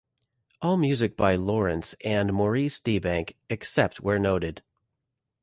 All music by Lawrence and Maurice Deebank, except where noted.